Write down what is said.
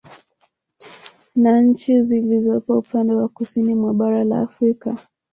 Na nchi zilizopo upande wa Kusini mwa bara la Afrika